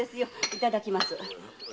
いただきます。